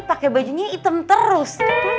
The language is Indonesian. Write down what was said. pakai bajunya item terus